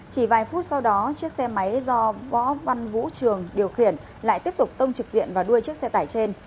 chỉ vài phút sau đó chiếc xe máy do võ văn vũ trường điều khiển lại tiếp tục tông trực diện vào đuôi chiếc xe tải trên